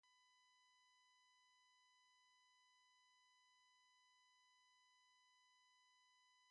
This ambiguous terminology is usually clarified by context.